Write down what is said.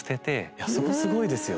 いやそこすごいですよね。